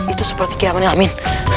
itu seperti kiamatnya min